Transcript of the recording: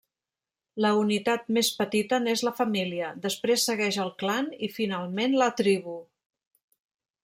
La unitat més petita n'és la família, després segueix el clan i finalment, la tribu.